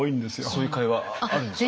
そういう会話あるんですか？